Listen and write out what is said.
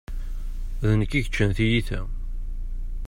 D nekk i yeččan tiyita.